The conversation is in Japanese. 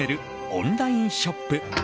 オンラインショップ